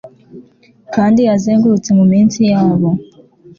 Kandi yazengurutse munsi yabo